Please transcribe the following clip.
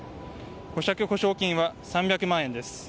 保釈保証金は３００万円です。